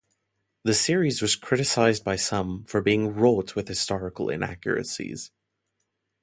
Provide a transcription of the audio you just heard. The series was criticised by some for being wrought with historical inaccuracies.